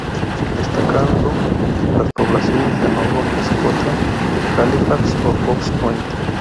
Destacando las poblaciones de Nova Scotia, Halifax o Fox Point.